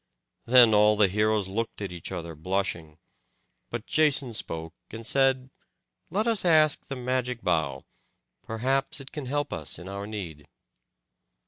Then all the heroes looked at each other blushing; but Jason spoke, and said, "Let us ask the magic bough; perhaps it can help us in our need."